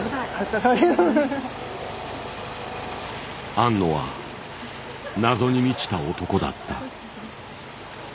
庵野は謎に満ちた男だった。